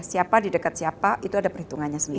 siapa di dekat siapa itu ada perhitungannya sendiri